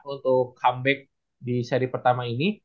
untuk comeback di seri pertama ini